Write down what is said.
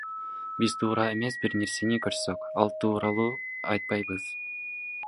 Биз туура эмес бир нерсени көрсөк, ал тууралуу айтпайбыз.